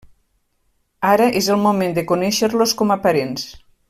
Ara és el moment de conèixer-los com a parents.